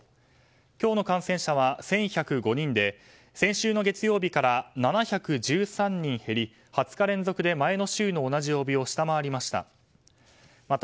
今日の感染者は１１０５人で先週の月曜日から７１３人減り２０日連続で前の週の同じ曜日を下回りました。